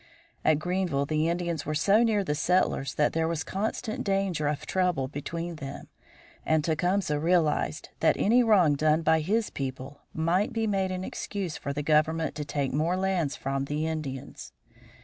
At Greenville the Indians were so near the settlers that there was constant danger of trouble between them. And Tecumseh realized that any wrong done by his people might be made an excuse for the government to take more lands from the Indians.